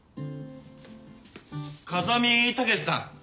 風見武志さん